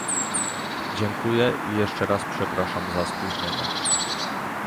Dziękuję i jeszcze raz przepraszam za spóźnienie